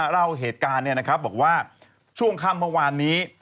เล่าเหตุการณ์บอกว่าช่วงค่ำเมื่อวานนี้